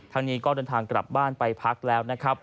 ทางนี้ก็เดินทางกลับบ้านไปพักแล้วนะครับ